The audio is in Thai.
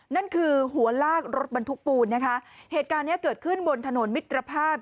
นั่นคือหัวลากรถบรรทุกปูนนะคะเหตุการณ์เนี้ยเกิดขึ้นบนถนนมิตรภาพ